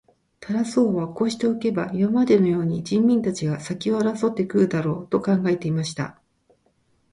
タラス王はこうしておけば、今までのように人民たちが先を争って来るだろう、と考えていました。